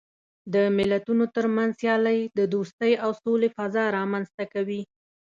د ملتونو ترمنځ سیالۍ د دوستۍ او سولې فضا رامنځته کوي.